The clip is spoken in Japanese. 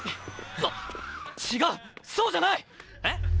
っ⁉違うそうじゃない！！え？